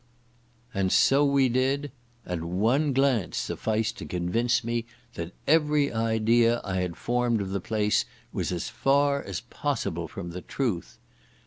And so we did….and one glance sufficed to convince me that every idea I had formed of the place was as far as possible from the truth.